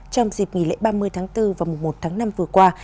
trong dịp nghỉ lễ ba mươi tháng bốn và mùa một tháng năm vừa qua